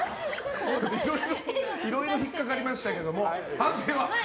いろいろ引っかかりましたが判定は？